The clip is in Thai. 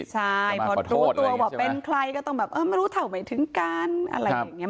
ใช่พอรู้ตัวว่าเป็นใครก็ต้องแบบเออไม่รู้เท่าไม่ถึงกันอะไรอย่างนี้